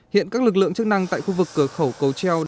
hiện các lực lượng chức năng tại khu vực cửa khẩu cầu treo